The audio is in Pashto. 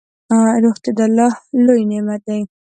روغتيا دالله لوي نعمت ده